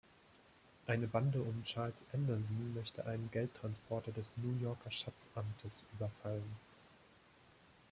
Eine Bande um Charles Anderson möchte einen Geldtransporter des New Yorker Schatzamtes überfallen.